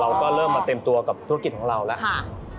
เราก็เริ่มมาเต็มตัวกับธุรกิจของเราแล้ว